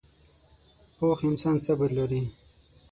پوخ انسان صبر لري